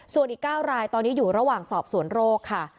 ส่วนอีก๙รายตอนนี้อยู่ระหว่างสอบสวนโรคค่ะ